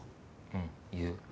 うん言う。